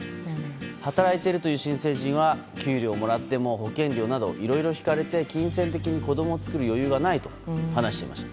働いているという新成人は給料をもらっても保険料などいろいろ引かれて金銭的に子供を作る余裕がないと話していました。